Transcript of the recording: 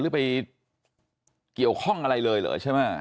หรือไปเกี่ยวข้องอะไรเลยเหรอใช่ไหม